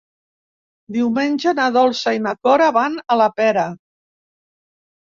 Diumenge na Dolça i na Cora van a la Pera.